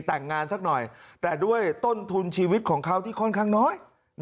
แต่งงานสักหน่อยแต่ด้วยต้นทุนชีวิตของเขาที่ค่อนข้างน้อย